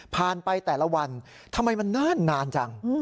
ไปแต่ละวันทำไมมันนานจัง